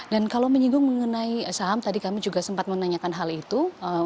dan kalau menyinggung mengenai saham tadi kami juga sempat menanyakan hal itu